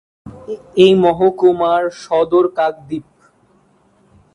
এই মহকুমার সদর কাকদ্বীপ।